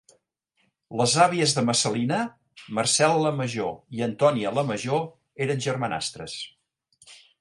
Les àvies de Messalina, Marcel·la Major i Antonia la Major, eren germanastres.